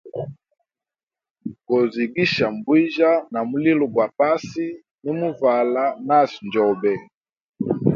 Gozigisha mbwijya na mulilo gwa pasi, nimuvala nasi njobe.